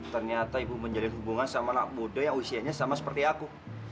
ternyata ibu menjalin hubungan sama anak muda yang usianya sama seperti aku